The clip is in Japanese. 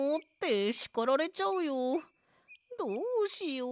どうしよう。